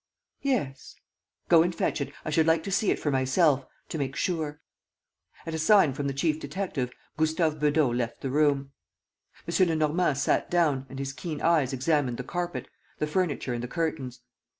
"Yes." "Go and fetch it. ... I should like to see it for myself ... to make sure. ..." At a sign from the chief detective, Gustave Beudot left the room. M. Lenormand sat down and his keen eyes examined the carpet, the furniture and the curtains.